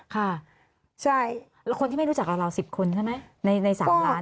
ค่ะใช่แล้วคนที่ไม่รู้จักกับเรา๑๐คนใช่ไหมใน๓ล้าน